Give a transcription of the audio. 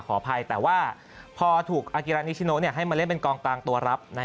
ขออภัยแต่ว่าพอถูกอากิรานิชิโนให้มาเล่นเป็นกองกลางตัวรับ